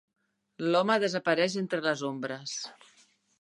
L'home desapareix entre les ombres.